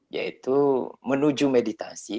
yaitu menuju meditasi